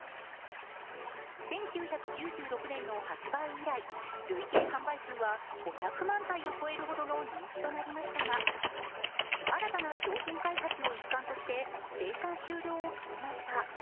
１９９６年の発売以来、累計販売数は５００万体を超える人気となりましたが新たな商品開発の一環として、生産終了を決めました。